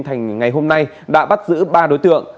thành ngày hôm nay đã bắt giữ ba đối tượng